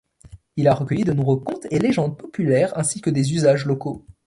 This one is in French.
Il a recueilli de nombreux contes et légendes populaires, ainsi que des usages locaux.